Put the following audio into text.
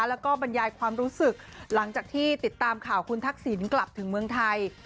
แล้วก็บรรยายความรู้สึกหลังจากที่ติดตามข่าวคุณทักษิณกลับถึงเมืองไทย